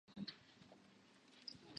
青森県新郷村